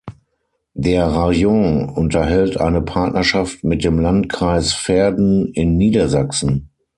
Der Rajon unterhält eine Partnerschaft mit dem Landkreis Verden in Niedersachsen.